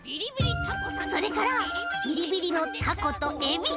それからビリビリのタコとエビ！